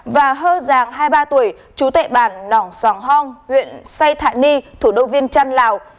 và hơ giang hai mươi ba tuổi chú tệ bàn nỏng sòng hong huyện say thạ ni thủ đô viêng trăn lào